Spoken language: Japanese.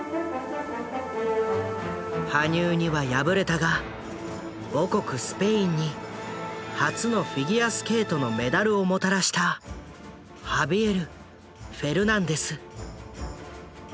羽生には敗れたが母国スペインに初のフィギュアスケートのメダルをもたらしたハビエル・フェルナンデス。